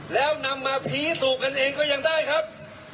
แล้วนำมาพิสูจน์กันเองก็ยังได้ครับ